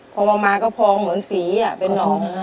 พอมาก็พองเหมือนฝีเป็นหนอง